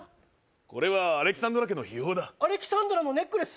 これはアレキサンドラ家の秘宝だアレキサンドラのネックレス？